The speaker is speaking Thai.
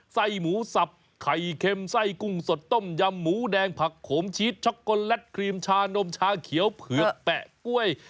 ไส้หมูสับไข่เค็มไส้กุ้งสดต้มยำหมูแดงผักโขมชีสช็อกโกนและครีมชานมชาเขียวเผือกแปะกล้วย